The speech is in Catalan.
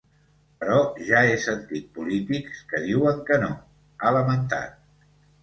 Però ja he sentit polítics que diuen que no, ha lamentat.